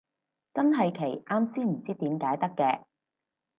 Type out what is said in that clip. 真係奇，啱先唔知點解得嘅